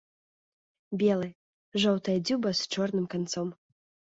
Белы, жоўтая дзюба з чорным канцом.